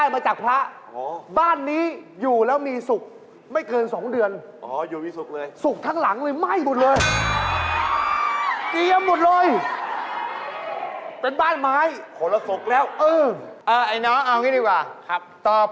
รถคันนี้สีเหลืองเหมือนผมเหมือนผมเหมือนกัน